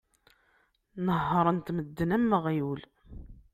Nehhren-t medden am uɣyul.